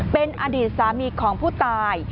เป็นอดีตสามีของผู้ตาย